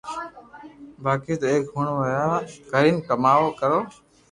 بائي تو ايڪ ھڻ ويوا ڪرين ڪاوُ ڪرو